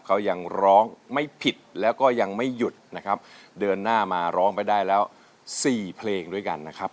เขายังร้องไม่ผิดแล้วก็ยังไม่หยุดนะครับเดินหน้ามาร้องไปได้แล้วสี่เพลงด้วยกันนะครับ